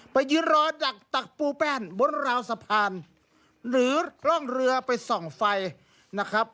ไปยืนรอดักตักปูแป้นบนราวสะพานหรือกล้องเรือไปส่องไฟนะครับ